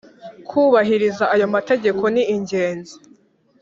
kubahiriza ayo mategeko ni ingenzi.